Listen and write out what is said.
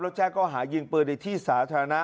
แล้วแจ้งก็หายิงปืนในที่สาธารณะ